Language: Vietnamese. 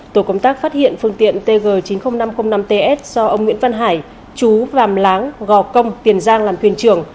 tổ công tác phát hiện phương tiện tg chín mươi nghìn năm trăm linh năm ts do ông nguyễn văn hải chú vàm láng gò công tiền giang làm thuyền trưởng